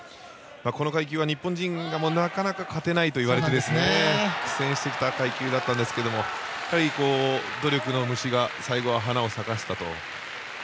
この階級は日本人がなかなか勝てないといわれて苦戦してきた階級だったんですが努力の虫が最後は花を咲かせたと。